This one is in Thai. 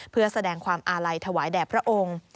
เพื่อแสดงความอาลัยถวายแด่พระองค์